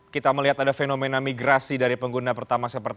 kita melihat ada fenomena migrasi dari pengguna pertama seperti petalite